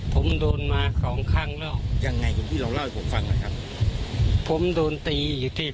ผมโดนมา๒ครั้งแล้ว